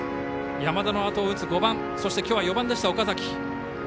山田のあとを打つ５番きょうは４番でした岡崎。